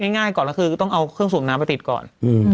ง่ายก่อนแล้วคือต้องเอาเครื่องสูบน้ำไปติดก่อน